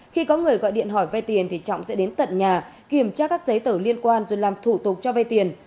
khi có người gọi điện hỏi vay tiền thì trọng sẽ đến tận nhà kiểm tra các giấy tờ liên quan rồi làm thủ tục cho vay tiền